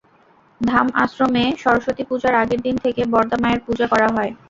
ধাম আশ্রমে সরস্বতী পূজার আগের দিন থেকে বরদা মায়ের পূজা করা হয়।